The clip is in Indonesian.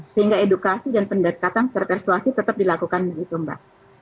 sehingga edukasi dan pendekatan secara persuasi tetap dilakukan begitu mbak